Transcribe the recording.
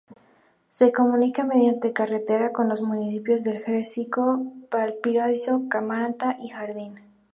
Se comunica mediante carretera con los municipios de Jericó, Valparaíso, Caramanta y Jardín.